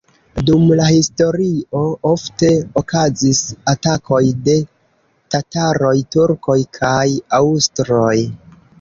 Dum la historio ofte okazis atakoj de tataroj, turkoj kaj aŭstroj.